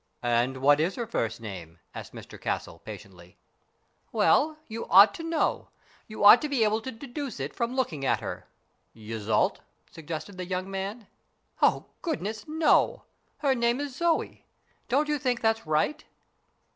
" And what is her first name ?" asked Mr Castle, patiently. "Well, you ought to know. You ought to be able to deduce it from looking at her." " Yseult ?" suggested the young man. "Oh, goodness, no. Her name is Zoe. Don't you think that's right